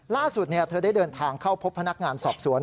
ล่าสุดเธอได้เดินทางเข้าพบพนักงานสอบสวน